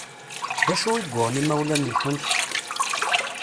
D acu i yuɣen imawlan-nkent?